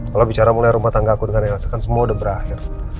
kalau bicara mulai rumah tangga aku dengan elsa kan semua udah berakhir